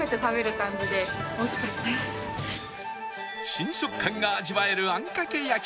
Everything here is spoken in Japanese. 新食感が味わえるあんかけ焼そば